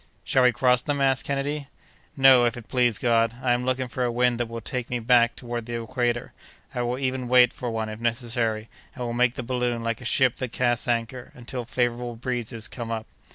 "Shall we cross them?" asked Kennedy. "Not, if it please God. I am looking for a wind that will take me back toward the equator. I will even wait for one, if necessary, and will make the balloon like a ship that casts anchor, until favorable breezes come up."